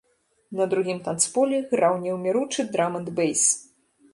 На другім танцполе граў неўміручы драм-энд-бэйс.